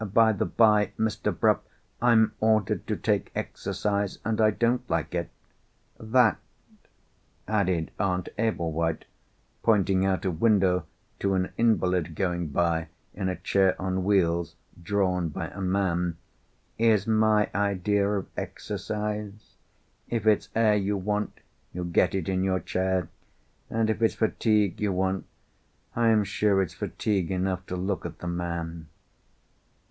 By the bye, Mr. Bruff, I'm ordered to take exercise, and I don't like it. That," added Aunt Ablewhite, pointing out of window to an invalid going by in a chair on wheels, drawn by a man, "is my idea of exercise. If it's air you want, you get it in your chair. And if it's fatigue you want, I am sure it's fatigue enough to look at the man."